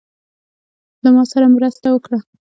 له ماسره مرسته وکړه.